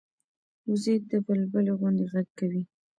وزې د بلبلي غوندې غږ کوي